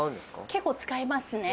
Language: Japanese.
結構使いますね。